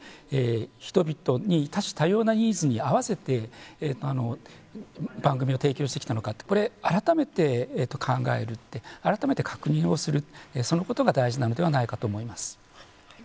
人々に、多種多様なニーズに合わせて番組を提供してきたのか改めて考える確認をするそのことが大事なのではないかと思います。